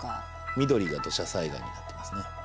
緑が土砂災害になってますね。